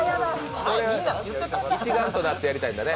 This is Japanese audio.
一丸となってやりたいんだよね。